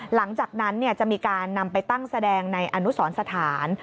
หลังจากนั้นจะมีการนำไปตั้งแสดงในอนุสรสถาน